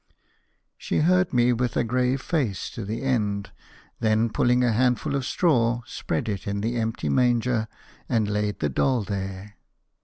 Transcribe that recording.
She heard me with a grave face to the end; then pulling a handful of straw, spread it in the empty manger and laid the doll there.